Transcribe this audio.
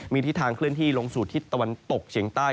มีทิศทางเคลื่อนที่ลงสู่ทิศตะวันตกเฉียงใต้